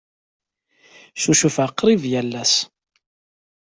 Ccucufeɣ qrib yal ass.